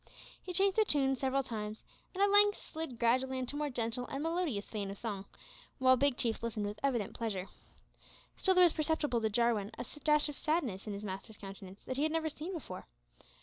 He changed the tune several times, and at length slid gradually into a more gentle and melodious vein of song, while Big Chief listened with evident pleasure. Still there was perceptible to Jarwin a dash of sadness in his master's countenance which he had never seen before.